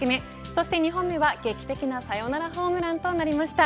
そして２本目は劇的なサヨナラホームランとなりました。